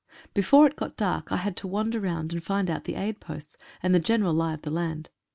Before it got dark I had to wander round and find out the aid posts, and the general lie of the land.